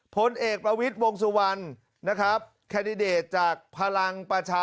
พลเอกประวิทย์วงศุวรรณนะครับ